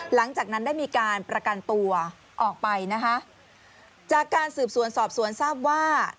หลังจากนั้นได้มีการประกันตัวออกไปนะคะจากการสืบสวนสอบสวนทราบว่า